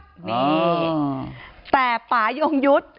นี่แต่ป่ายงยุทธ์